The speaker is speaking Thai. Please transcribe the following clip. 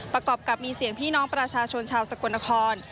ประกอบกับมีเสียงพี่น้องประชาชนชาวสกลนคร